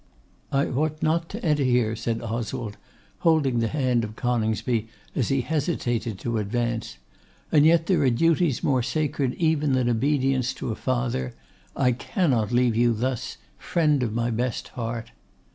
'I ought not to enter here,' said Oswald, holding the hand of Coningsby as he hesitated to advance; 'and yet there are duties more sacred even than obedience to a father. I cannot leave you thus, friend of my best heart!